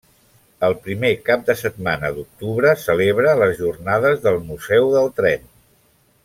El primer cap de setmana d'octubre celebra les Jornades del Museu del Tren.